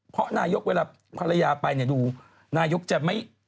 เพราะนายกเวลาภรรยาไปเนี่ยดูนายกจะไม่